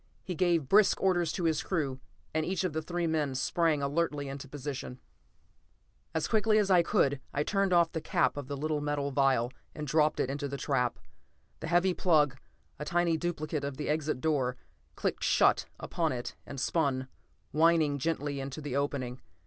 He gave brisk orders to his crew, and each of the three men sprang alertly into position. As quickly as I could, I turned off the cap of the little metal vial and dropped it into the trap. The heavy plug, a tiny duplicate of the exit door, clicked shut upon it and spun, whining gently, into the opening.